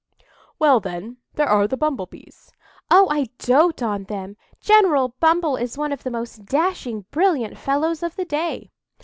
"Well, then, there are the Bumble Bees." "Oh, I dote on them! General Bumble is one of the most dashing, brilliant fellows of the day."